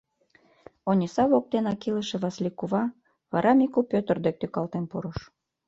Ониса воктенак илыше Васлий кува, вара Мику Пётр дек тӱкалтен пурыш.